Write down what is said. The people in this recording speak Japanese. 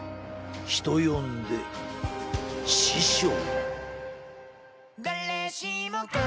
人呼んで師匠」。